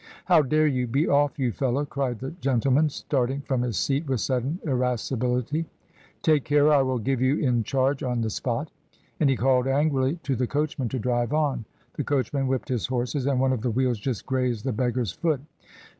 "How dare you! Be off, you fellow;" cried the gentleman, starting from his seat with sudden irasci bility. "Take care, or I will give you in charge on the spot;" and he called angrily to the coachman to drive on. The coachman whipped his horses, and one of the wheels just grazed the beggar's foot.